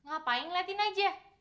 ngapain ngeliatin aja